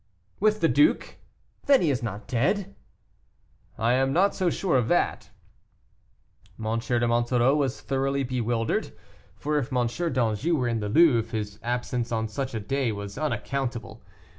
"With the Duke; then he is not dead?" "I am not so sure of that." M. de Monsoreau was thoroughly bewildered; for if M. d'Anjou were in the Louvre, his absence on such a day was unaccountable.